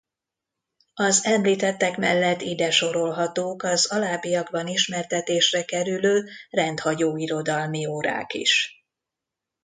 Az említettek mellett ide sorolhatók az alábbiakban ismertetésre kerülő rendhagyó irodalmi órák is.